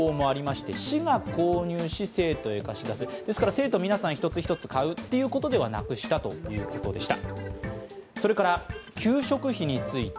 生徒皆さん一つ一つ買うということではなくしたということでした。